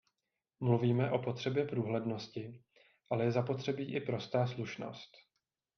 Mluvíme o potřebě průhlednosti, ale je zapotřebí i prostá slušnost.